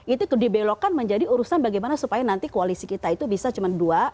itu dibelokkan menjadi urusan bagaimana supaya nanti koalisi kita itu bisa cuma dua